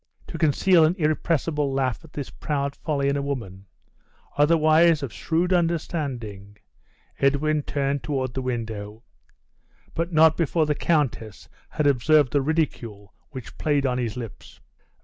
To conceal an irrepressible laugh at this proud folly in a woman, otherwise of shrewd understanding, Edwin turned toward the window; but not before the countess had observed the ridicule which played on his lips.